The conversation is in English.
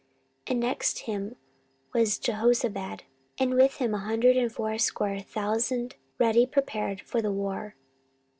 14:017:018 And next him was Jehozabad, and with him an hundred and fourscore thousand ready prepared for the war.